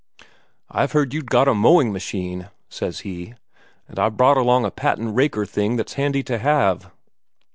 "I've heard you'd got a mowing machine," says he, "and I've brought along a patent raker thing that's handy to have."